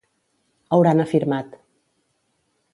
Hauran afirmat.